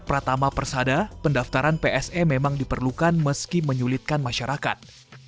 pratama persada pendaftaran pse memang diperlukan meski menyulitkan masyarakat